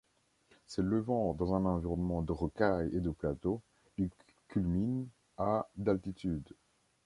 S'élevant dans un environnement de rocailles et de plateaux, il culmine à d'altitude.